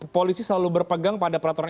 polisi selalu berpegang pada peraturan